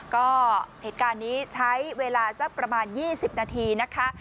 ก็เหตุการณ์นี้ใช้เวลาสักประมาณ๒๐นาทีนะคะ